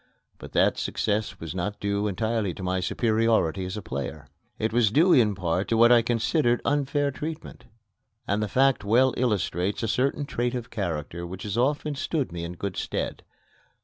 But that success was not due entirely to my superiority as a player. It was due in part to what I considered unfair treatment; and the fact well illustrates a certain trait of character which has often stood me in good stead.